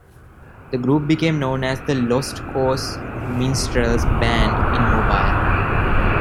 The group became known as the "Lost Cause Minstrels Band" in Mobile.